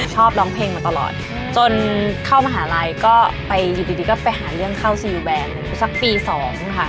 ชอบร้องเพลงมาตลอดจนเข้ามหาลัยก็ไปอยู่ดีก็ไปหาเรื่องเข้าซีลแบรนด์สักปี๒ค่ะ